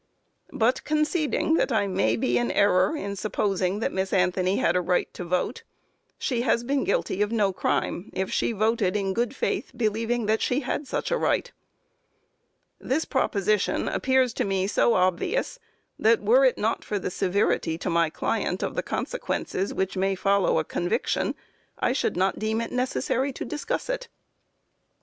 But conceding that I may be in error in supposing that Miss Anthony had a right to vote, she has been guilty of no crime, if she voted in good faith believing that she had such right. This proposition appears to me so obvious, that were it not for the severity to my client of the consequences which may follow a conviction, I should not deem it necessary to discuss it.